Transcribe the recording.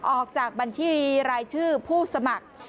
ออกจากบัญชีรายชื่อผู้สมัคร